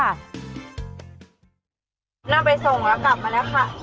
นั่งไปส่งแล้วกลับมาแล้วค่ะ